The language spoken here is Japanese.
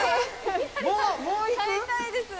もう行く？買いたいです。